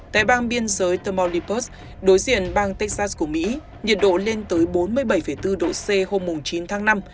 tại bang biên giới taorlipus đối diện bang texas của mỹ nhiệt độ lên tới bốn mươi bảy bốn độ c hôm chín tháng năm